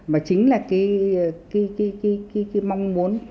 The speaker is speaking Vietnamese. và chính là cái mong muốn